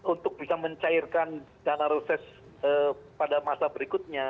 untuk bisa mencairkan dana reses pada masa berikutnya